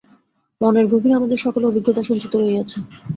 মনের গভীরে আমাদের সকল অভিজ্ঞতা সঞ্চিত রহিয়াছে।